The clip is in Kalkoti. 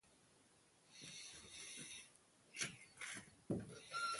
سم بھا تانی کار تھ۔